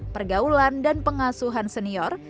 pergaulan dan pengasuhan senior